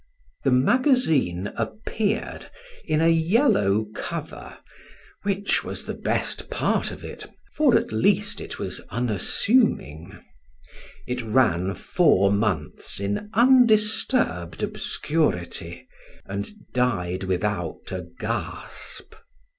The magazine appeared, in a yellow cover which was the best part of it, for at least it was unassuming; it ran four months in undisturbed obscurity, and died without a gasp.